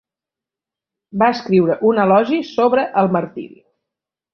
Va escriure un elogi sobre el martiri.